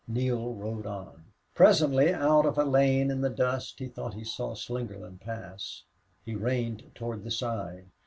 Neale rode on. Presently out of a lane in the dust he thought he saw Slingerland pass. He reined toward the side.